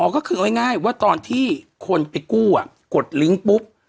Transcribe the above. อ๋อก็คือง่ายว่าตอนที่คนไปกู้อ่ะกดลิ้งก์ปุ๊บ